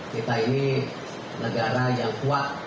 kita ini negara yang kuat